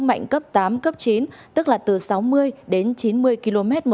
mạnh cấp tám cấp chín tức là từ sáu mươi đến chín mươi kmh